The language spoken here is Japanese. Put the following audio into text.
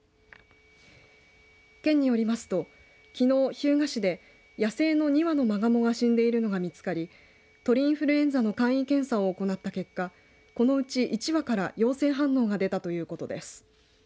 県によりますと、きのう日向市で野生の２羽のまがもが死んでいるのが見つかり鳥インフルエンザの簡易検査を行った結果このうち１羽から陽性反応が出たということです。